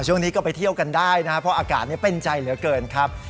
ช่วงนี้ก็ไปเที่ยวกันได้นะครับเพราะอากาศเป็นใจเหลือเกินครับ